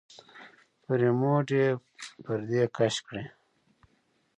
په رېموټ يې پردې کش کړې.